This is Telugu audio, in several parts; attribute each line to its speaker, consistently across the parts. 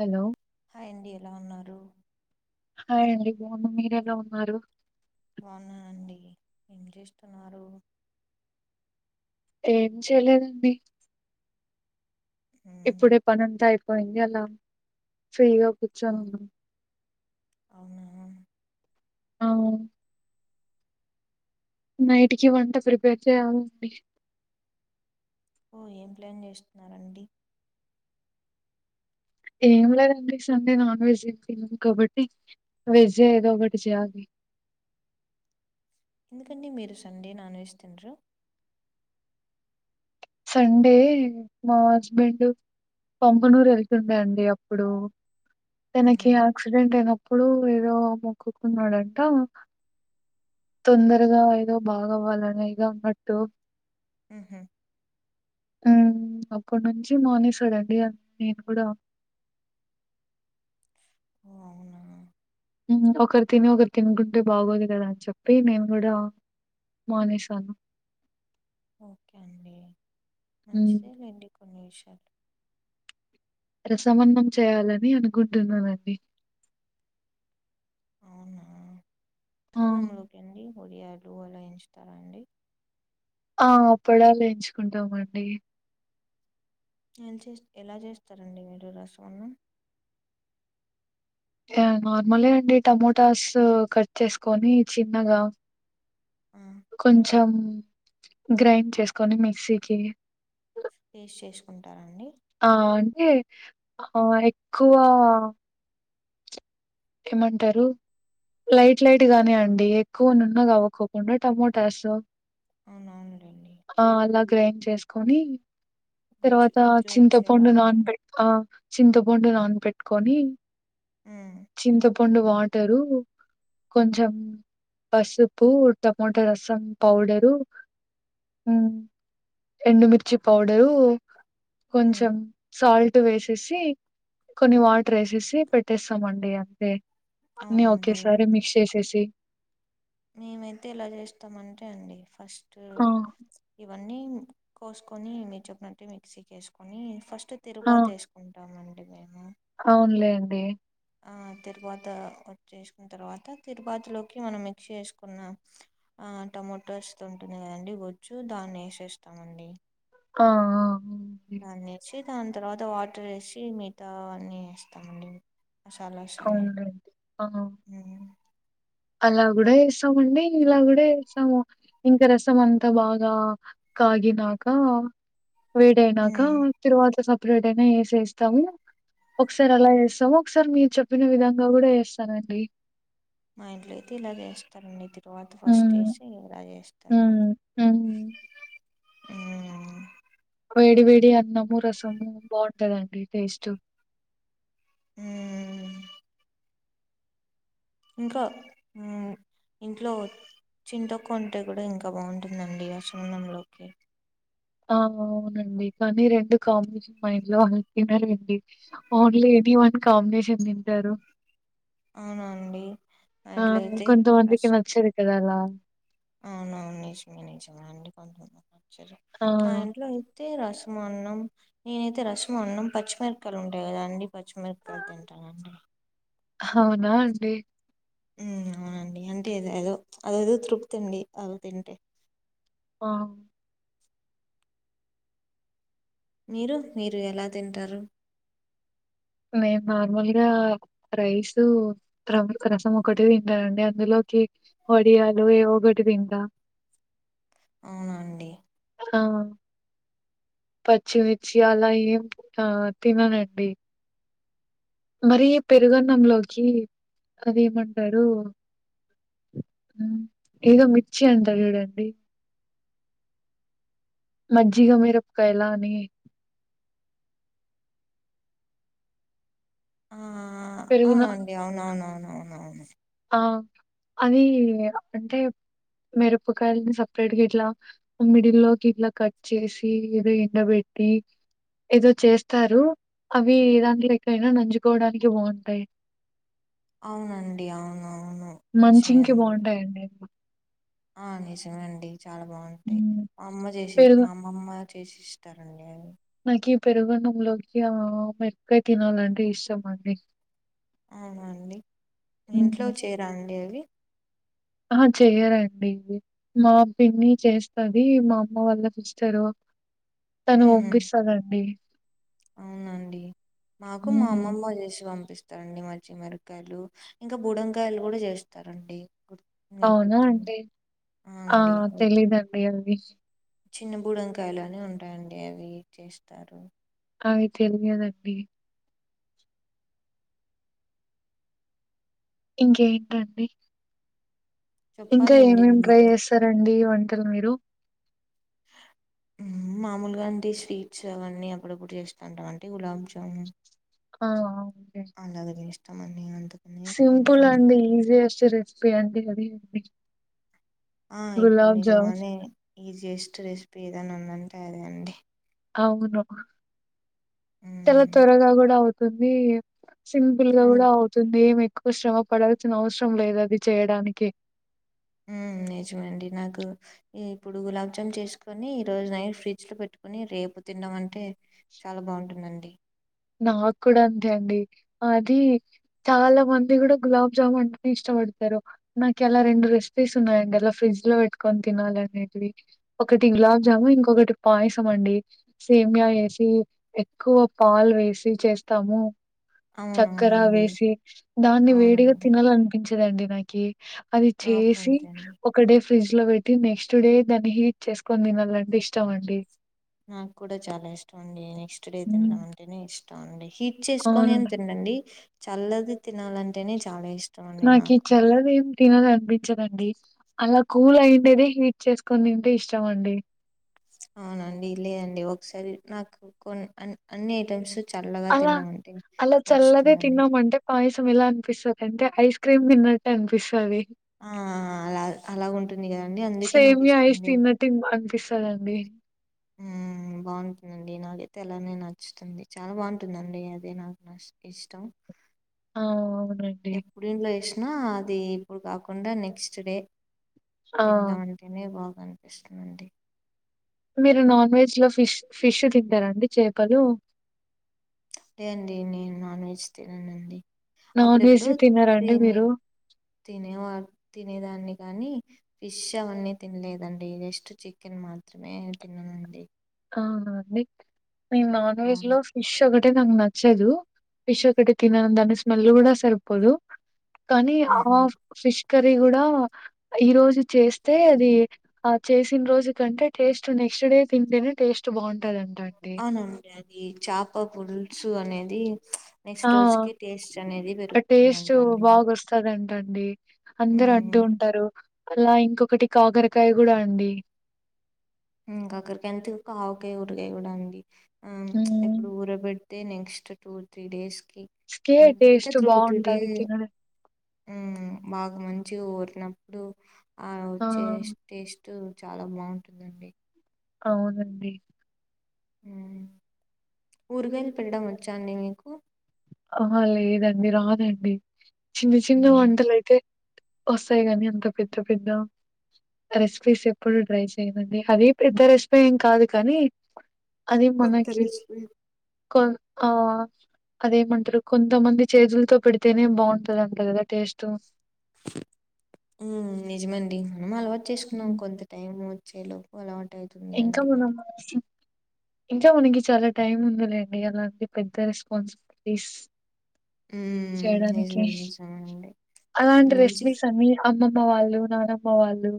Speaker 1: హలో
Speaker 2: హయ్ అండి ఎలా ఉన్నారు
Speaker 1: హయ్ అండి మీర్ ఎలా ఉన్నారు
Speaker 2: బాగు ఉన్నాన అండి ఏం చేస్తున్నారు
Speaker 1: ఏం చేయలేద అండి
Speaker 2: మ్మ్,
Speaker 1: ఇప్పుడే పని అంత అయిపోయింది అలా ఫ్రీగా కూర్చోని ఉన్నా
Speaker 2: అవునా
Speaker 1: అవును నైట్కి వంట ప్రిపేర్ చేయాల అండి
Speaker 2: ఓ ఏం ప్లాన్ చేస్తున్నారు అండి
Speaker 1: ఏం లేద అండి సండే నాన్ వెజ్ ఏం తన్నాం కాబట్టి వెజ్జే ఏదో ఒకటి చెయ్యాలి
Speaker 2: ఎందుకండి మీరు సండే నాన్ వెజ్ తినరు
Speaker 1: సండే మా హస్బెండు పొంపునూరు వెళ్తుండే అండి అప్పుడు
Speaker 2: మ్హూ,
Speaker 1: తనకి అ యాక్సిడెంట్ అయిన అప్పుడు ఏదో మొక్కుకున్నాడ అంట తొందరగా ఏదో బాగ అవ్వాలనే గా ఉన్నట్టు
Speaker 2: ఆహ
Speaker 1: ఆ అక్కటి నుంచి మానేసాడ అండి నేను కూడా
Speaker 2: ఓ అవునా
Speaker 1: ఒకరు తిని ఒకరు తినుకుంటే బాగోద్ కద అని చెప్పి నేను కూడా మానేసాను
Speaker 2: ఓకే అండి
Speaker 1: హ్మ్.
Speaker 2: మంచిదే లే అండి కొన్ని విషయాలు
Speaker 1: రసమ అన్నం చేయాల అని అనుకుంటు ఉన్నాన అండి
Speaker 2: అవునా వట్టి
Speaker 1: ఆ!
Speaker 2: అన్నంలోకి అండి వడియాలు అలా వేయించుతారా అండి
Speaker 1: ఆ అప్పుడాలు వేయించుకుంటామ అండి
Speaker 2: ఏల్ చేస్ ఎలా చేస్తార అండి మీరు రసం అన్నం
Speaker 1: అంటే నార్మలే అండి టమోటాస్ కట్ చేసుకొని చిన్నగా
Speaker 2: ఆ
Speaker 1: కొంచెం గ్రైండ్ చేసుకొని మిక్సీకి
Speaker 2: పేస్ట్ చేసుకుంటార అండి
Speaker 1: ఆ అంటే ఆ ఎక్కువ ఏమ అంటారు లైట్ లైట్ గానే అండి ఎక్కువ నున్నగా అవ్వకోకుండా టమోటాసు
Speaker 2: అవున అవునుడ అండి
Speaker 1: ఆ అలా గ్రైండ్ చేసుకొని
Speaker 2: గుజ్జు
Speaker 1: తర్వాత
Speaker 2: గుజ్జు
Speaker 1: చింతపండు
Speaker 2: వచ్చేలాగా
Speaker 1: నాన్ పెట్టుకొని ఆ చింత పండు నాన్ పెట్కొని
Speaker 2: మ్
Speaker 1: చింతపండు వాటరు కొంచెం మ్ పసుపు టమోటా రసం పౌడరు ఎండుమిర్చి పౌడరు
Speaker 2: మ్మ్.
Speaker 1: కొంచెం సాల్ట్ వేసేసి కొన్ని వాటర్ ఏసేసి పెట్టేస్తామ అండి అ అంతే అన్ని ఓకే
Speaker 2: అవునండి
Speaker 1: సారి మిక్స్ చేసేసి
Speaker 2: మేమై అయితే ఎలా చేస్తామ అంటే అండి ఫస్ట్
Speaker 1: ఆ!
Speaker 2: ఇవన్నీ కోసుకొని మీరు చెప్పినట్టు మిక్సీకి వేసుకొని ఫస్ట్
Speaker 1: ఆ!
Speaker 2: తిరువాత్ ఏసుకుంటామండి మేము
Speaker 1: అవునులేండి
Speaker 2: తిరువాత వచేసుకున్న తర్వాత తిరువాతిలోకి మనం మిక్స్ చేసుకున్న ఆ టమోటోస్ ఉంటుంది కదండి గుజ్జు దాన్ని ఏసేస్తామండి
Speaker 1: ఆ అవునండి.
Speaker 2: దాన్ని ఇచ్చి దాని తర్వాత వాటర్ ఏసి మిగతా అన్ని ఏస్తామండి సల సరే
Speaker 1: అవునులేండి.
Speaker 2: హమ్
Speaker 1: అలాగూడ వేస్తామండి ఇలాగ వేస్తాము ఇంకా రసం అంతా బాగా కాగినాక వేడైనాక
Speaker 2: ఉమ్
Speaker 1: తిరువాత సపరేట్ అయినా వేసేస్తాము ఒకసారి అలా వేస్తాము ఒకసారి మీరు చెప్పిన విధంగా కూడా వేస్తానండి
Speaker 2: మా ఇంట్లో అయితే ఇలా చేస్తారండి తిరువాత ఫస్ట్
Speaker 1: హ్మ్.
Speaker 2: వేసి ఇలా చేస్ రు
Speaker 1: హ్మ్. హ్మ్.
Speaker 2: ఉ
Speaker 1: వేడి వేడి అన్నము రసము బాగుంటదండి టేస్ట్
Speaker 2: ఉ ఇంకా ఉ ఇంట్లో చింత్తోకు ఉంటే కూడా ఇంకా బాగుంటుందండి రసమన్నంలోకి
Speaker 1: ఆ అవునండి కానీ రెండు కామెడన్ [unintelligible] మైండ్ లో అళ తినారండి ఓన్లీ ఎని వన్ కాంబినేషన్ తింటారు
Speaker 2: అవునా అండి మా
Speaker 1: ఆ
Speaker 2: ఇంట్లో అయితే
Speaker 1: కొంతమందికి
Speaker 2: రస్
Speaker 1: నచ్చదు కదా అలా
Speaker 2: అవునవును నిజమే నిజమ అండి కొంత
Speaker 1: ఆ!
Speaker 2: మా ఇంట్లో దే రసమన్నం నేనైతే రసం అన్నాం పచ్చిమిరకాయలు ఉంటాయి కదా అండి పచ్చిమిరకాయ తింటాను అండి
Speaker 1: హవునా అండి
Speaker 2: హమ్ అవునండి అంటే ఏద ఏదో అదేదో తృప్తి అండి అది తింటే
Speaker 1: ఆ
Speaker 2: మీరు మీరు ఎలా తింటారు
Speaker 1: మేము నార్మల్గా రైసు ర రసం ఒకటే తింటానండి అందులోకి ఒడియాలు ఏ ఒగటి తింద
Speaker 2: అవునా అండి
Speaker 1: ఆ పచ్చిమిర్చి అలా ఏం ఆ తిననండి మరి పెరుగన్నంలోకి అది ఏమంటారు ఏదో మిర్చి అంటారు చూడండి మజ్జిగామీరక్కాయలాని
Speaker 2: ఆ
Speaker 1: పెరుగున
Speaker 2: అవునండి అవునవునవునవును
Speaker 1: ఆ అది అంటే మిరపకాయలని సపరేట్గా ఇట్లా మిడిల్లోకి ఇట్ల కట్ చేసి ఎండబెట్టి ఏదో చేస్తారు అవి దాంట్లో కయినా నంజుకోవడానికి బాగుంటాయి
Speaker 2: అవునండి అవునవును నిజమే
Speaker 1: మంచింగ్ కి
Speaker 2: అండి.
Speaker 1: బాగుంటాయండి
Speaker 2: ఆ నిజమే అండి చాలా బాగుంటాయ్
Speaker 1: హ్మ్.
Speaker 2: మా అమ్మ చేసింది
Speaker 1: పెరుగు
Speaker 2: మా అమ్మ మా అమ్మ చేసి ఇస్తారండి
Speaker 1: నాకు ఈ పెరుగన్నంలోకి మిరపకాయ తినాలంటే ఇష్టం అండి
Speaker 2: అవునా అండి ఇంట్లో
Speaker 1: హ్మ్.
Speaker 2: చేయరాండి అవి
Speaker 1: ఆహా చేయరండి మా పిన్ని చేస్తది మా అమ్మ వాళ్ళ సిస్టర్ తను
Speaker 2: హుహు.
Speaker 1: పంపిస్తదండి
Speaker 2: అవునండి మాకు మా
Speaker 1: హ్మ్.
Speaker 2: అమ్మమ్మ చేసి పంపి స్తరండి మంచి మిరకాయలు ఇంకా బుడంకాయలు కూడా చేస్తారండి నీకు
Speaker 1: అవునా
Speaker 2: గుర్తుందా
Speaker 1: అండి?
Speaker 2: ఆ అండి
Speaker 1: తెలీదండి అవి.
Speaker 2: చిన్న బుడంకాయలు అని ఉంటాయండి అవి చేస్తారు
Speaker 1: అవి తెలియదండి ఇంకేంటండి ఇంకా
Speaker 2: చెప్పాలండి
Speaker 1: ఏమేమి ట్రై
Speaker 2: మీరు.
Speaker 1: చేస్తారండి వంటలు మీరు
Speaker 2: ఆ మామూలుగా అండి స్వీట్స్ అవన్నీ అప్పుడప్పుడు చేస్తు ఉంటాం అండి గులాబ్ జామూన్
Speaker 1: ఆ ఒకే
Speaker 2: పండగకి జేస్తామండి అంతే
Speaker 1: సింపుల్ అండి ఈజియస్ట్ రెసిపీ అండి అదిది
Speaker 2: ఆ ఇప్పుడు
Speaker 1: జామున్
Speaker 2: నిజంగానే ఈజియస్ట్ రెసిపీ ఏదన్న ఉందంటే అదే అండి
Speaker 1: అవును చాలా
Speaker 2: హ్మ్
Speaker 1: త్వరగా గూడా అవుతుంది సింపుల్ గా
Speaker 2: అన్
Speaker 1: కూడా అవుతుంది ఏం ఎక్కువ శ్రమ పడాల్సిన అవసరం లేదు అది చేయడానికి
Speaker 2: ఉమ్ నిజమండి నాకు ఇగ ఇప్పుడు గులాబ్ జామున్ చేసుకొని ఈ రోజు నైట్ ఫ్రిడ్జ్ లో పెట్టుకుని రేపు తిన్నాం అంటే చాలా బాగుంటుందండి
Speaker 1: నాకు కూడా అంతే అండి అది చాలా మంది కూడా గులాబ్ జామున్ అంటనే ఇష్టపడతారు నాకీ అలా రెండు రెసిపీస్ ఉన్నాయండి అలా ఫ్రిడ్జ్ లో పెట్కొని తినాలనేటివి ఒకటి గులాబ్జామున్ ఇంకొకటి పాయసం అండి సేమియా వేసి ఎక్కువ పాలు వేసి చేస్తాము చక్కర
Speaker 2: అవునవునండి
Speaker 1: వేసి దాన్ని వేడిగా
Speaker 2: అవునండి
Speaker 1: తినాలనిపించదండి నాకి అది
Speaker 2: నాకు
Speaker 1: చేసి
Speaker 2: అంతే అండి
Speaker 1: ఒక డే ఫ్రిడ్జ్ లో పెట్టి నెక్స్ట్ డే దాన్ని హీట్ చేసుకొని దినాలంటే ఇష్
Speaker 2: నాకు కూడా చాలా ఇష్టం అండి నెక్స్ట్ డే
Speaker 1: హ్మ్.
Speaker 2: తినమంటేనే ఇష్టం అండి హిట్ చేసుకొనేం
Speaker 1: అవునండి.
Speaker 2: తిన నండి చల్లది తినాలంటేనే చాలా ఇష్టం అండి
Speaker 1: నాకీ
Speaker 2: నాకు
Speaker 1: చల్లది తినాలి అనిపించదండి అలా కూల్ అయిండేదే హీట్ చేసుకొని తింటే ఇష్టం అండి
Speaker 2: అవునా అండి లేదండి ఒకసారి నాకు కొన్ అన్ అన్ని ఐటమ్స్ చల్లగా
Speaker 1: అలా
Speaker 2: తిన్నామంటే
Speaker 1: అలా చల్లదే
Speaker 2: నచ్చుతుంది అండి
Speaker 1: తిన్నామంటే పాయసం ఎలా అనిపిస్తది అంటే ఐస్ క్రీమ్ తిన్నట్టే అనిపిస్తది
Speaker 2: ఆ ఆ ఆ అలా ఉంటుంది కదండి అందుకే నాకు
Speaker 1: సేమియా
Speaker 2: ఇష్టం
Speaker 1: ఐస్
Speaker 2: అండి
Speaker 1: తిన్నట్టు అనిపిస్తదండి.
Speaker 2: ఉమ్ బాగుంటుందండి నాకైతే అలానే నచ్చుతుంది చాలా బాగుంటుందండి అదే నాకు న ఇష్టం
Speaker 1: ఆ అవును అండి
Speaker 2: ఎప్పుడు ఇంట్లో జేసినా అది ఇప్పుడు కాకుండా నెక్స్ట్ డే
Speaker 1: ఆ!
Speaker 2: తింటామం తినే బాగా అనిపిస్తుందండి
Speaker 1: మీరు నాన్ వెజ్ లో ఫిష్ ఫిష్ తింటారండి చేపలు
Speaker 2: లే అండి నేను నాన్ వెజ్ తిననండి
Speaker 1: నాన్ వెజ్
Speaker 2: అప్పుడెప్పుడో
Speaker 1: తినరా అండి
Speaker 2: తిని
Speaker 1: మీరు?
Speaker 2: తినేవా తినేదాన్ని కానీ ఫిష్ అవన్నీ తినలేదండి జస్ట్ చికెన్ మాత్రమే తిన్ననండి
Speaker 1: కా అండి మేం నాన్ వెజ్
Speaker 2: అవును
Speaker 1: లో ఫిష్ ఒకటే నాకు నచ్చదు ఫిష్ ఒకటే తినను దాని స్మెల్ల్ కూడా సరిపోదు కానీ ఆ
Speaker 2: ఆహా
Speaker 1: ఫిష్ కర్రీ కూడా ఈ రోజు చేస్తే అది ఆ చేసిన రోజు కంటే టేస్ట్ నెక్స్ట్ డే తింటేనే టేస్ట్ బాగుంటాదంట
Speaker 2: అవునండి అది చాప పుల్సు అనేది ప్చ్
Speaker 1: ఆ ఆ టేస్ట్
Speaker 2: అండి
Speaker 1: బాగొస్తాదంటండి అందరు అంటూ
Speaker 2: ఉమ్
Speaker 1: ఉంటారు అలా ఇంకొకటి కాకరకాయ కూడా అండి
Speaker 2: [unintelligible] ఆవకాయ ఊరగాయ కూడా ఉంది ఆ ప్చ్
Speaker 1: హ్మ్.
Speaker 2: ఇప్పుడు ఊరబె ట్తే నెక్స్ట్ టూ త్రీ డేస్ కి
Speaker 1: కే
Speaker 2: అ ఇంకా
Speaker 1: టేస్ట్
Speaker 2: త్రూ టూ డే
Speaker 1: బావుంటది తినడం
Speaker 2: ఉమ్ బాగా మంచిగ ఊరినప్పుడు ఆ వచ్చే టేస్ట్ చాలా బాగుంటుందండి
Speaker 1: అవునండి
Speaker 2: హ్మ్ ఊరగాయలు పెట్టడం వచ్చా అండి మీకు
Speaker 1: అహా లేదండి రాదండి చిన్న చిన్న వంటలైతే వస్సాయి కానీ అంత పెద్ద పెద్ద రెసిపీస్ ఎప్పుడు ట్రై చేయనండి అది పెద్ద రెసిపీ ఏం కాదు కానీ కానీ
Speaker 2: కొత్త
Speaker 1: మనకి
Speaker 2: రెసిపీ
Speaker 1: కొ ఆ అదేమంటరు కొంతమంది చేతుల్తో పెడితేనే బావుంటదంటా కదా టేస్టు
Speaker 2: హ్మ్ నిజమే అండి మనమే అలవాటు చేసుకున్నాం
Speaker 1: హ్మ్.
Speaker 2: కొంత టైం వచ్చేలో వాలాంటే అయితుంది
Speaker 1: ఇంకా
Speaker 2: లేండి మన
Speaker 1: మనం ఇంకా మనకి చాలా టైం ఉందిలేండి అలాంటి పెద్ద రెస్పాన్స్ ఇస్
Speaker 2: ఉమ్
Speaker 1: చేయడానికి
Speaker 2: నిజమే నిజమండి
Speaker 1: అలాంటి
Speaker 2: ఇప్పుడు నుంచి
Speaker 1: రెస్పీస్ అన్ని అమ్మమ్మ వాళ్ళు నానమ్మ వాళ్ళు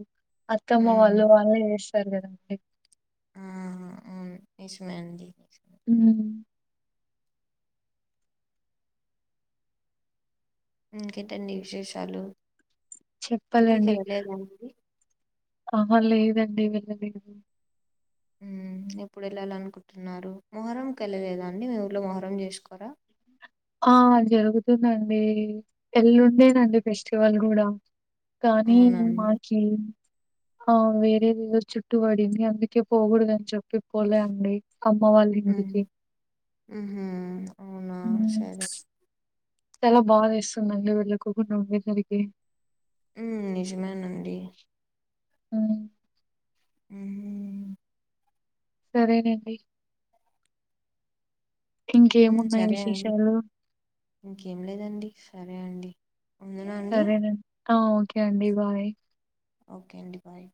Speaker 1: అత్తమ్మ
Speaker 2: ఉమ్
Speaker 1: వాళ్ళు వాళ్ళే చేస్తారు కదండి
Speaker 2: ఆహా అవును నిజమే అండి
Speaker 1: హ్మ్
Speaker 2: ఇంకేంటండి విశేషాలు
Speaker 1: చెప్పాలండి.
Speaker 2: ఊరికెళ్ళలేదా అండి
Speaker 1: ఆహా లేదండి వెళ్ళలేదు
Speaker 2: హ్మ్ ఎప్పుడు వెళ్ళాలనుకుంటున్నారు మొహర్రంకి వెళ్ళలేదా అండి మీ ఊల్లో మొహర్రం చేసుకోరా
Speaker 1: ఆ జరుగుతుందండి ఎల్లుండేనండి ఫెస్టివల్ కూడా కానీ
Speaker 2: అవునా అండి
Speaker 1: మాకి ఆ వేరేదేదో చుట్టుపడింది అందు కే పోగూడదని చెప్పి పోలే అండి అమ్మ వాళ్ళ ఇంటికి
Speaker 2: మ్మ్ హ్ అవునా
Speaker 1: హ్మ్.
Speaker 2: సరె
Speaker 1: చాలా బాధేస్సుందండి వెళ్ళకోకుండా ఉండేసరికి
Speaker 2: హ్మ్ నిజమేనండి
Speaker 1: మ్ హ్మ్
Speaker 2: మ్మ్ హ్మ్
Speaker 1: సరేనండి
Speaker 2: మ్మ్
Speaker 1: ఇంకేమున్నాయి
Speaker 2: సరే అండి
Speaker 1: విశేషాలు?
Speaker 2: ఇంకేం లేదండి సరే అండి ఉందునా అండి
Speaker 1: సరేనండి ఆ ఓకే అండి బాయ్
Speaker 2: ఓకే అండి బాయ్